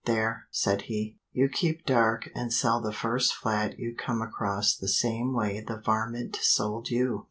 "There," said he, you keep dark and sell the first flat you come across the same way the varmint sold you.